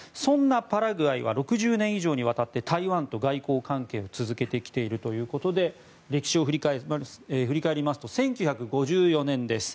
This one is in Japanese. そんなパラグアイは６０年以上にわたって台湾と外交関係を続けてきているということで歴史を振り返りますと１９５４年です。